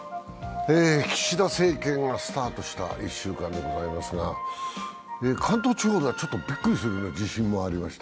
岸田政権がスタートした１週間でございますが関東地方ではびっくりするぐらいの地震がありました。